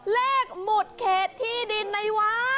หมุดเขตที่ดินในวัด